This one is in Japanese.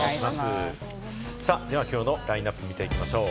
きょうのラインナップを見ていきましょう。